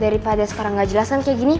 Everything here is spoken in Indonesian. daripada sekarang gak jelas kan kayak gini